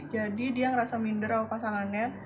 jadi dia ngerasa minder sama pasangannya